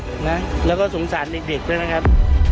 แล้วก็สงสารเด็กด้วยนะครับ